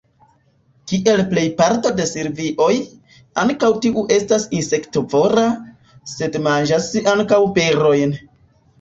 Kiel plej parto de silvioj, ankaŭ tiu estas insektovora, sed manĝas ankaŭ berojn.